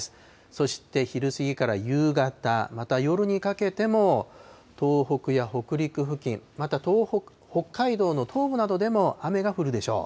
そして昼過ぎから夕方、また夜にかけても東北や北陸付近、また北海道の東部などでも雨が降るでしょう。